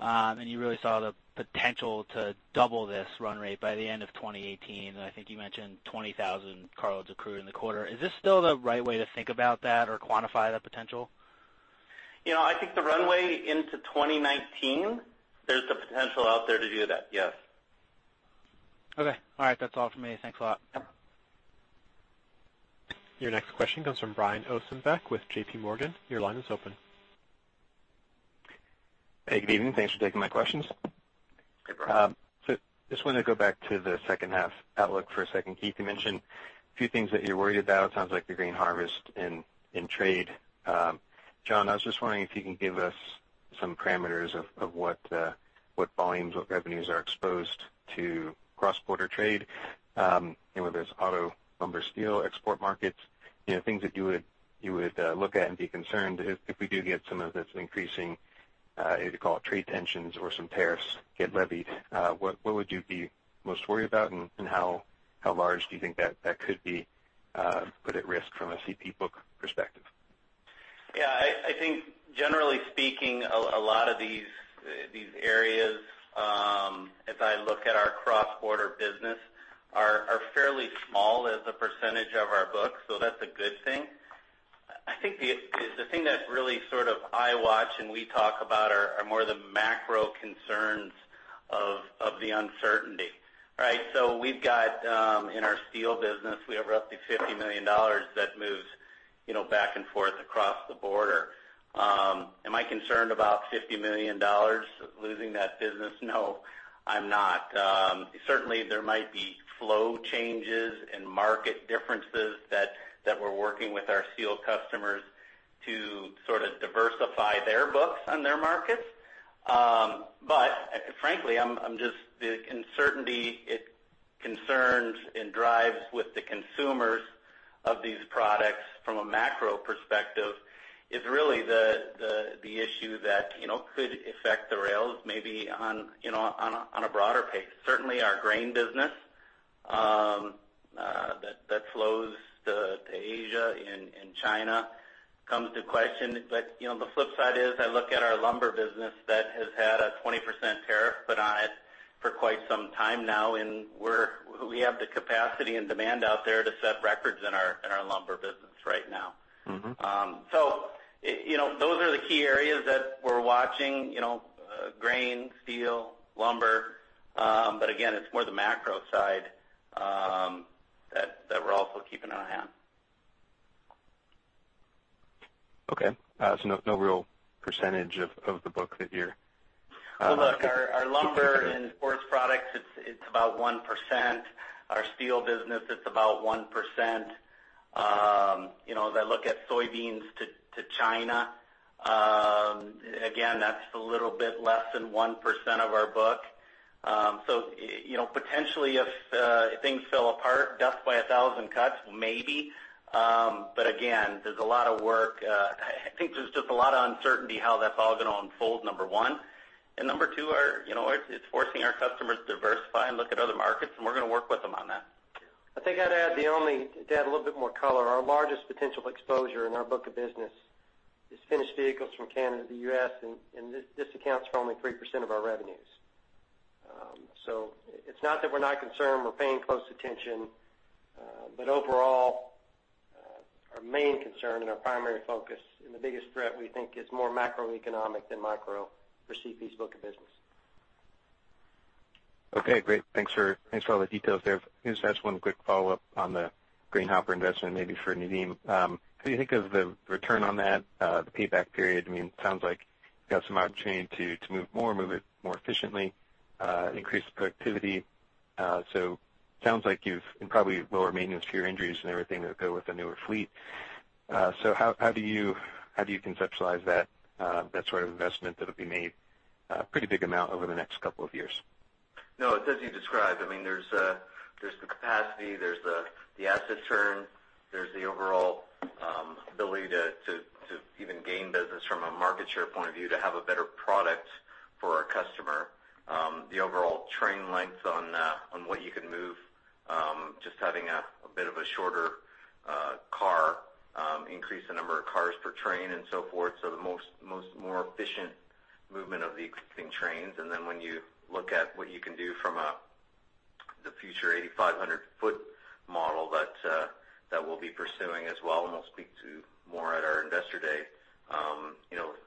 and you really saw the potential to double this run rate by the end of 2018. And I think you mentioned 20,000 carloads of crude in the quarter. Is this still the right way to think about that or quantify that potential? I think the runway into 2019, there's the potential out there to do that. Yes. Okay. All right. That's all from me. Thanks a lot. Your next question comes from Brian Ossenbeck with J.P. Morgan. Your line is open. Hey. Good evening. Thanks for taking my questions. Hey, Brian. So I just wanted to go back to the second half outlook for a second. Keith, you mentioned a few things that you're worried about. It sounds like the grain harvest in trade. John, I was just wondering if you can give us some parameters of what volumes, what revenues are exposed to cross-border trade, whether it's auto, lumber, steel export markets, things that you would look at and be concerned if we do get some of this increasing, you could call it trade tensions or some tariffs, get levied. What would you be most worried about, and how large do you think that could be put at risk from a CP book perspective? Yeah. I think, generally speaking, a lot of these areas, as I look at our cross-border business, are fairly small as a percentage of our books, so that's a good thing. I think the thing that really sort of I watch and we talk about are more the macro concerns of the uncertainty, right? So we've got in our steel business, we have roughly 50 million dollars that moves back and forth across the border. Am I concerned about 50 million dollars losing that business? No. I'm not. Certainly, there might be flow changes and market differences that we're working with our steel customers to sort of diversify their books on their markets. But frankly, the uncertainty, it concerns and drives with the consumers of these products from a macro perspective. It's really the issue that could affect the rails maybe on a broader page. Certainly, our grain business that flows to Asia and China comes to question. But the flip side is, I look at our lumber business that has had a 20% tariff put on it for quite some time now, and we have the capacity and demand out there to set records in our lumber business right now. So those are the key areas that we're watching: grain, steel, lumber. But again, it's more the macro side that we're also keeping on our hand. Okay. So no real percentage of the book that you're. Well, look, our lumber and forest products, it's about 1%. Our steel business, it's about 1%. As I look at soybeans to China, again, that's a little bit less than 1% of our book. So potentially, if things fell apart, death by a thousand cuts, maybe. But again, there's a lot of work. I think there's just a lot of uncertainty how that's all going to unfold, number one. And number two, it's forcing our customers to diversify and look at other markets, and we're going to work with them on that. I think I'd add only to add a little bit more color. Our largest potential exposure in our book of business is finished vehicles from Canada to the U.S., and this accounts for only 3% of our revenues. So it's not that we're not concerned. We're paying close attention. But overall, our main concern and our primary focus and the biggest threat, we think, is more macroeconomic than micro for CP's book of business. Okay. Great. Thanks for all the details there. I guess that's one quick follow-up on the grain hopper investment maybe for Nadeem. How do you think of the return on that, the payback period? I mean, it sounds like you've got some opportunity to move more, move it more efficiently, increase the productivity. So it sounds like you've and probably lower maintenance fewer injuries and everything that would go with a newer fleet. So how do you conceptualize that sort of investment that'll be made a pretty big amount over the next couple of years? No. It's as you described. I mean, there's the capacity. There's the asset turn. There's the overall ability to even gain business from a market share point of view, to have a better product for our customer. The overall train length on what you can move, just having a bit of a shorter car, increase the number of cars per train and so forth, so the more efficient movement of the existing trains. And then when you look at what you can do from the future 8,500-foot model that we'll be pursuing as well, and we'll speak to more at our investor day,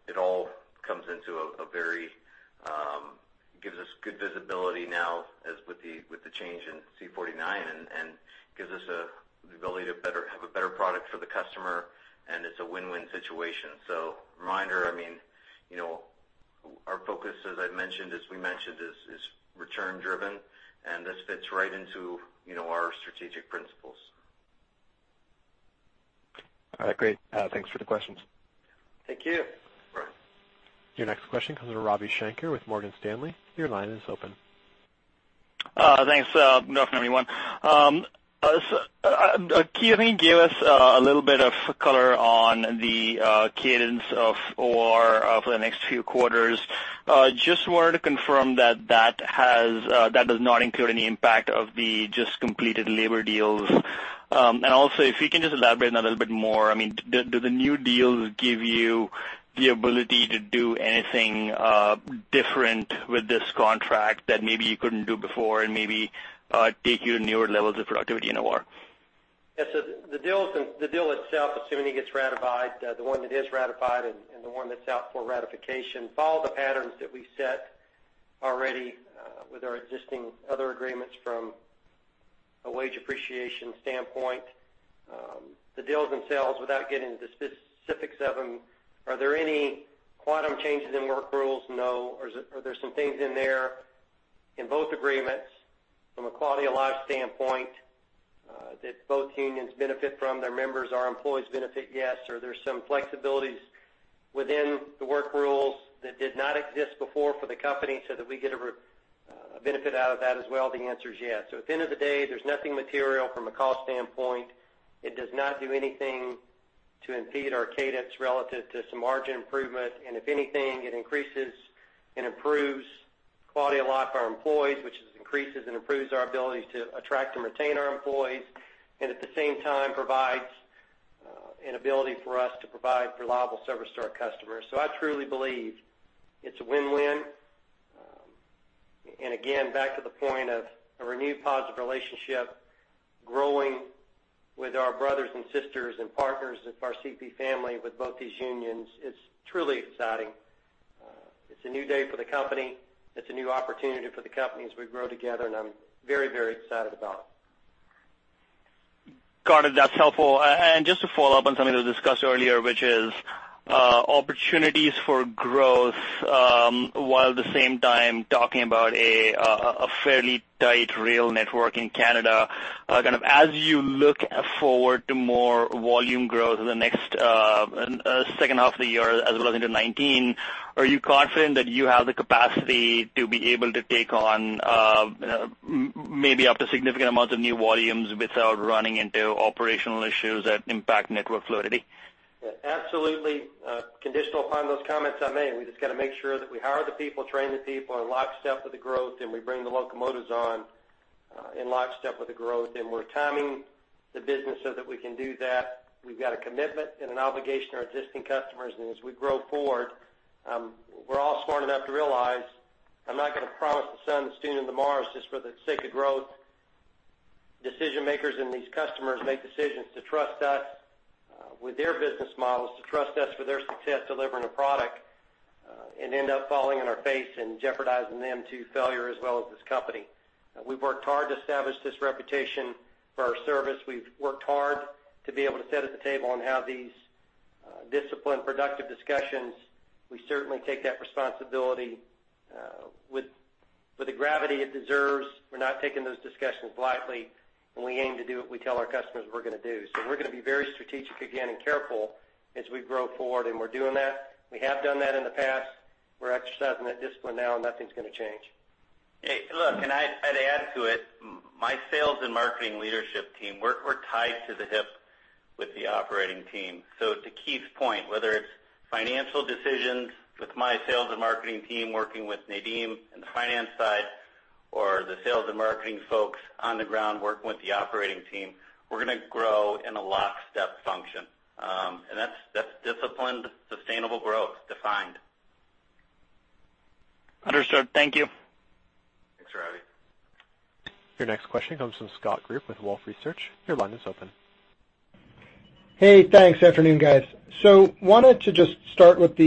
it all comes into a very it gives us good visibility now with the change in C49 and gives us the ability to have a better product for the customer, and it's a win-win situation. So, reminder, I mean, our focus, as I mentioned, as we mentioned, is return-driven, and this fits right into our strategic principles. All right. Great. Thanks for the questions. Thank you Brian. Your next question comes from Ravi Shanker with Morgan Stanley. Your line is open. Thanks. Good afternoon, everyone. Keith, I think you gave us a little bit of color on the cadence of OR for the next few quarters. Just wanted to confirm that that does not include any impact of the just completed labor deals. And also, if you can just elaborate on that a little bit more, I mean, do the new deals give you the ability to do anything different with this contract that maybe you couldn't do before and maybe take you to newer levels of productivity in OR? Yeah. So the deal itself, assuming it gets ratified, the one that is ratified and the one that's out for ratification, follow the patterns that we set already with our existing other agreements from a wage appreciation standpoint. The deals themselves, without getting into the specifics of them, are there any quantum changes in work rules? No. Are there some things in there in both agreements from a quality of life standpoint that both unions benefit from, their members, our employees benefit? Yes. Are there some flexibilities within the work rules that did not exist before for the company so that we get a benefit out of that as well? The answer is yes. So at the end of the day, there's nothing material from a cost standpoint. It does not do anything to impede our cadence relative to some margin improvement. And if anything, it increases and improves quality of life for our employees, which increases and improves our ability to attract and retain our employees and at the same time provides an ability for us to provide reliable service to our customers. So I truly believe it's a win-win. And again, back to the point of a renewed positive relationship, growing with our brothers and sisters and partners of our CP family with both these unions, it's truly exciting. It's a new day for the company. It's a new opportunity for the company as we grow together, and I'm very, very excited about it. Got it. That's helpful. And just to follow up on something that was discussed earlier, which is opportunities for growth while at the same time talking about a fairly tight rail network in Canada. Kind of as you look forward to more volume growth in the next second half of the year as well as into 2019, are you confident that you have the capacity to be able to take on maybe up to significant amounts of new volumes without running into operational issues that impact network fluidity? Yeah. Absolutely. Conditional upon those comments I made. We just got to make sure that we hire the people, train the people, and lock step with the growth, and we bring the locomotives on in lock step with the growth. We're timing the business so that we can do that. We've got a commitment and an obligation to our existing customers. As we grow forward, we're all smart enough to realize I'm not going to promise the sun, the student, and the Mars just for the sake of growth. Decision-makers and these customers make decisions to trust us with their business models, to trust us for their success delivering a product, and end up falling in our face and jeopardizing them to failure as well as this company. We've worked hard to establish this reputation for our service. We've worked hard to be able to sit at the table on how these disciplined, productive discussions we certainly take that responsibility with the gravity it deserves. We're not taking those discussions lightly, and we aim to do what we tell our customers we're going to do. We're going to be very strategic again and careful as we grow forward, and we're doing that. We have done that in the past. We're exercising that discipline now, and nothing's going to change. Hey. Look, and I'd add to it. My sales and marketing leadership team, we're tied to the hip with the operating team. So to Keith's point, whether it's financial decisions with my sales and marketing team working with Nadeem and the finance side or the sales and marketing folks on the ground working with the operating team, we're going to grow in a lock step function. And that's disciplined, sustainable growth defined. Understood. Thank you. Thanks, Ravi. Your next question comes from Scott Group with Wolfe Research. Your line is open. Hey. Thanks. Afternoon, guys. So wanted to just start with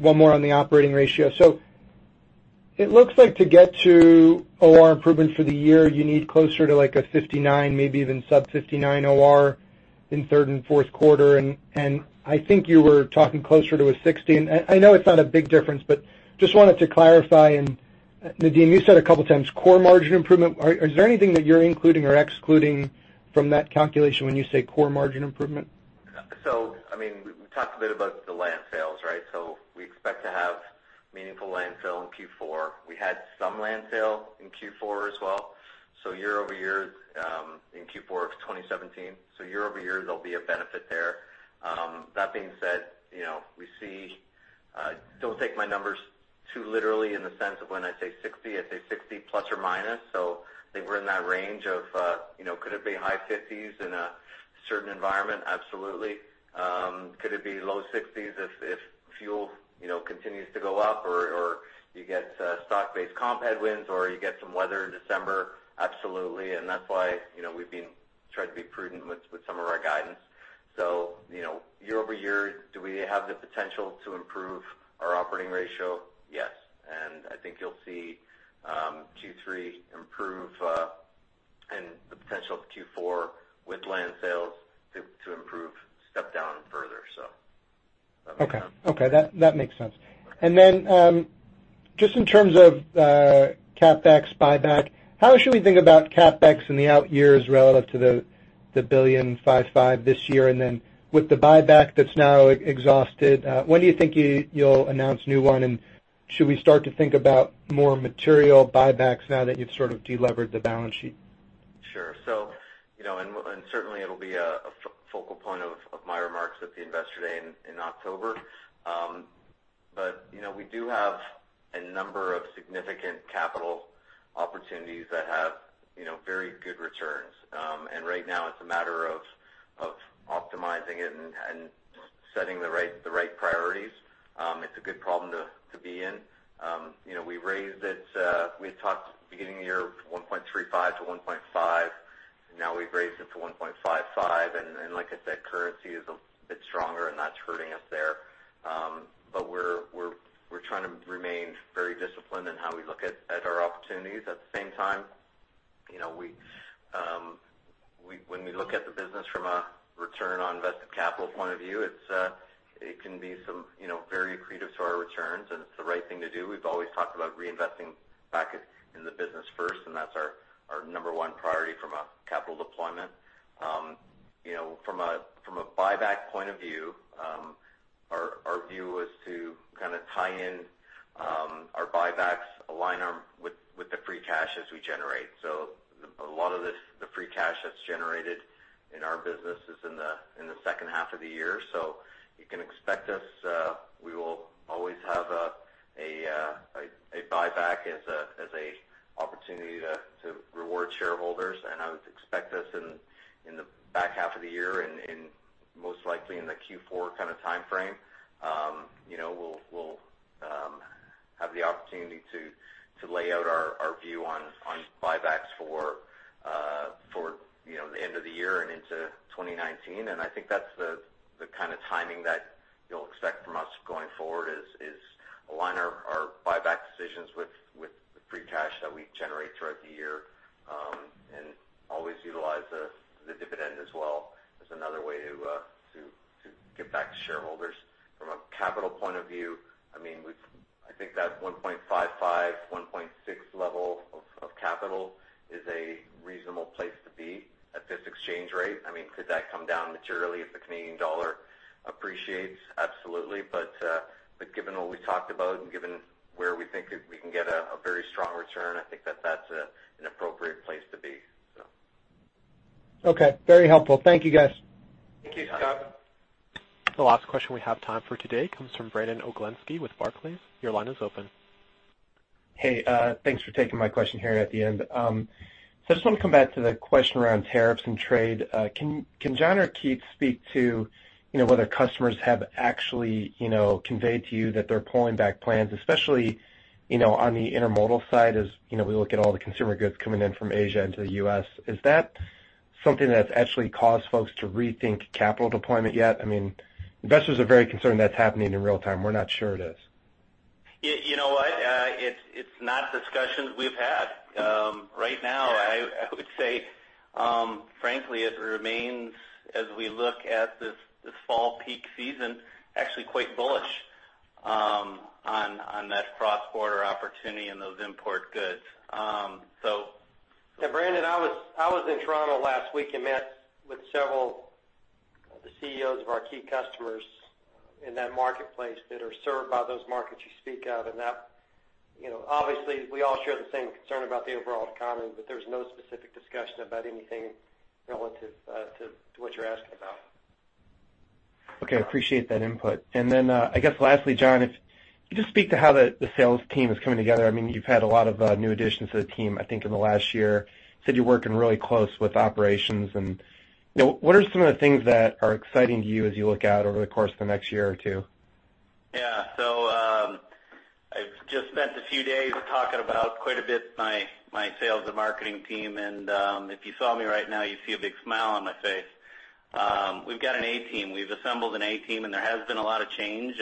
one more on the operating ratio. So it looks like to get to OR improvement for the year, you need closer to a 59, maybe even sub-59 OR in third and fourth quarter. And I think you were talking closer to a 60. And I know it's not a big difference, but just wanted to clarify. And Nadeem, you said a couple of times core margin improvement. Is there anything that you're including or excluding from that calculation when you say core margin improvement? So I mean, we talked a bit about the land sales, right? So we expect to have meaningful land sale in Q4. We had some land sale in Q4 as well. So year-over-year, in Q4 of 2017, so year-over-year, there'll be a benefit there. That being said, we see don't take my numbers too literally in the sense of when I say 60, I say 60 plus or minus. So I think we're in that range of could it be high 50s in a certain environment? Absolutely. Could it be low 60s if fuel continues to go up or you get stock-based comp headwinds or you get some weather in December? Absolutely. And that's why we've been trying to be prudent with some of our guidance. So year-over-year, do we have the potential to improve our operating ratio? Yes. I think you'll see Q3 improve and the potential of Q4 with land sales to improve step down further, so. That makes sense. Okay. Okay. That makes sense. And then just in terms of CapEx, buyback, how should we think about CapEx in the out years relative to the 1.55 billion this year? And then with the buyback that's now exhausted, when do you think you'll announce new one? And should we start to think about more material buybacks now that you've sort of delevered the balance sheet? Sure. And certainly, it'll be a focal point of my remarks at the investor day in October. But we do have a number of significant capital opportunities that have very good returns. And right now, it's a matter of optimizing it and setting the right priorities. It's a good problem to be in. We raised it. We had talked beginning of the year 1.35-1.5. Now, we've raised it to 1.55. And like I said, currency is a bit stronger, and that's hurting us there. But we're trying to remain very disciplined in how we look at our opportunities. At the same time, when we look at the business from a return on invested capital point of view, it can be very accretive to our returns, and it's the right thing to do. We've always talked about reinvesting back in the business first, and that's our number one priority from a capital deployment. From a buyback point of view, our view is to kind of tie in our buybacks, align them with the free cash as we generate. So a lot of the free cash that's generated in our business is in the second half of the year. So you can expect us, we will always have a buyback as an opportunity to reward shareholders. And I would expect us in the back half of the year and most likely in the Q4 kind of time frame, we'll have the opportunity to lay out our view on buybacks for the end of the year and into 2019. And I think that's the kind of timing that you'll expect from us going forward is align our buyback decisions with the free cash that we generate throughout the year and always utilize the dividend as well as another way to give back to shareholders. From a capital point of view, I mean, I think that 1.55-1.6 level of capital is a reasonable place to be at this exchange rate. I mean, could that come down materially if the Canadian dollar appreciates? Absolutely. But given what we've talked about and given where we think we can get a very strong return, I think that that's an appropriate place to be, so. Okay. Very helpful. Thank you, guys. Thank you, Scott. The last question we have time for today comes from Brandon Oglenski with Barclays. Your line is open. Hey. Thanks for taking my question here at the end. So I just want to come back to the question around tariffs and trade. Can John or Keith speak to whether customers have actually conveyed to you that they're pulling back plans, especially on the intermodal side as we look at all the consumer goods coming in from Asia into the U.S.? Is that something that's actually caused folks to rethink capital deployment yet? I mean, investors are very concerned that's happening in real time. We're not sure it is. You know what? It's not discussions we've had. Right now, I would say, frankly, it remains, as we look at this fall peak season, actually quite bullish on that cross-border opportunity in those import goods. So. Yeah. Brandon, I was in Toronto last week and met with several of the CEOs of our key customers in that marketplace that are served by those markets you speak of. Obviously, we all share the same concern about the overall economy, but there's no specific discussion about anything relative to what you're asking about. Okay. Appreciate that input. And then I guess lastly, John, if you could just speak to how the sales team is coming together. I mean, you've had a lot of new additions to the team, I think, in the last year. You said you're working really close with operations. And what are some of the things that are exciting to you as you look out over the course of the next year or two? Yeah. So I've just spent a few days talking about quite a bit my sales and marketing team. And if you saw me right now, you'd see a big smile on my face. We've got an A team. We've assembled an A team, and there has been a lot of change.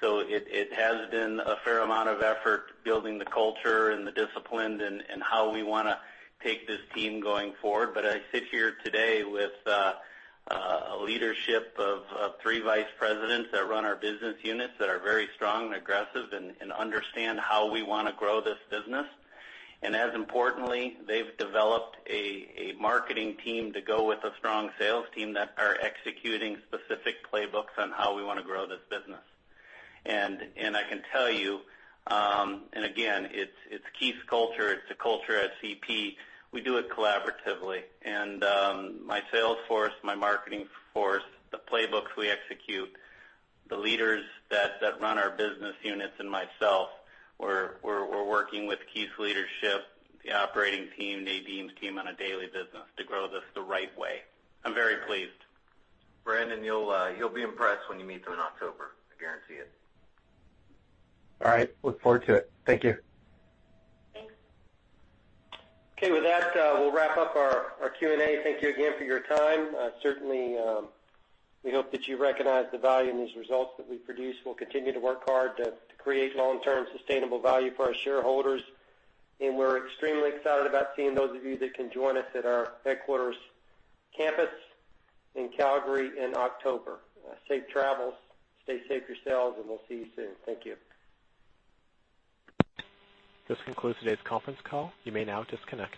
So it has been a fair amount of effort building the culture and the discipline and how we want to take this team going forward. But I sit here today with a leadership of three vice presidents that run our business units that are very strong and aggressive and understand how we want to grow this business. And as importantly, they've developed a marketing team to go with a strong sales team that are executing specific playbooks on how we want to grow this business. And I can tell you and again, it's Keith's culture. It's the culture at CP. We do it collaboratively. And my sales force, my marketing force, the playbooks we execute, the leaders that run our business units, and myself, we're working with Keith's leadership, the operating team, Nadeem's team on a daily basis to grow this the right way. I'm very pleased. Brandon, you'll be impressed when you meet them in October. I guarantee it. All right. Look forward to it. Thank you. Thanks. Okay. With that, we'll wrap up our Q&A. Thank you again for your time. Certainly, we hope that you recognize the value in these results that we produce. We'll continue to work hard to create long-term, sustainable value for our shareholders. And we're extremely excited about seeing those of you that can join us at our headquarters campus in Calgary in October. Safe travels. Stay safe yourselves, and we'll see you soon. Thank you. This concludes today's conference call. You may now disconnect.